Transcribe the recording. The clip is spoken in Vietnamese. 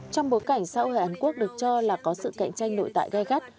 trong bối cảnh xã hội hàn quốc được cho là có sự cạnh tranh nội tại gai gắt